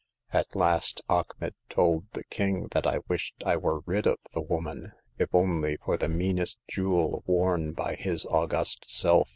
At last Achmet told the King that I had wished I were rid of the woman, if only for the meanest jewel worn by his august self."